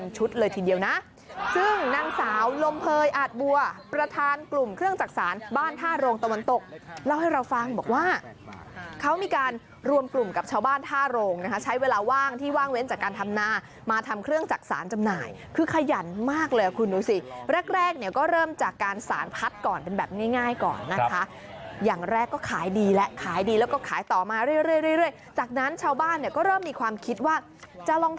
ชาวบ้านท่าโรงตะวันตกเล่าให้เราฟังบอกว่าเขามีการรวมกลุ่มกับชาวบ้านท่าโรงใช้เวลาว่างที่ว่างเว้นจากการทำหน้ามาทำเครื่องจักรสารจำหน่ายคือขยันมากเลยคุณดูสิแรกก็เริ่มจากการสารพัดก่อนเป็นแบบง่ายก่อนนะคะอย่างแรกก็ขายดีแล้วขายดีแล้วก็ขายต่อมาเรื่อยจากนั้นชาวบ้านก็เริ่มมีความคิดว่าจะล